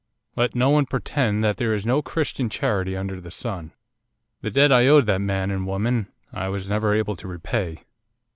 Let no one pretend that there is no Christian charity under the sun. The debt I owed that man and woman I was never able to repay.